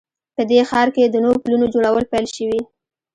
په دې ښار کې د نوو پلونو جوړول پیل شوي